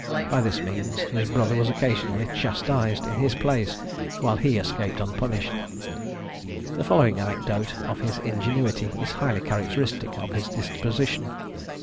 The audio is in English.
By this means his brother was occasionally chastised in his place, while he escaped unpunished. The following anecdote of his ingenuity is highly characteristic of his disposition.